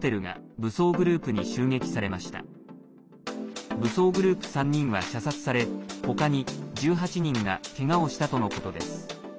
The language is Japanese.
武装グループ３人は射殺され他に１８人がけがをしたとのことです。